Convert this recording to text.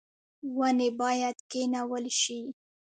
ونې باید کینول شي